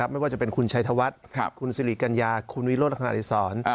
ไม่ว่าจะเป็นคุณชัยธวัฒน์คุณสิริกัญญาคุณวิโรธลักษณะอดีศร